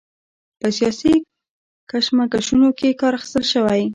په سیاسي کشمکشونو کې کار اخیستل شوی.